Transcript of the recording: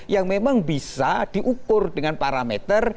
yang memang bisa diukur dengan parameter